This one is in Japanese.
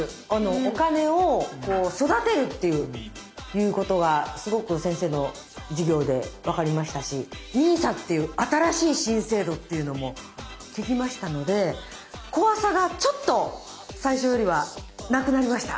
お金を育てるっていうことがすごく先生の授業で分かりましたしＮＩＳＡっていう新しい新制度っていうのも聞きましたので怖さがちょっと最初よりはなくなりました。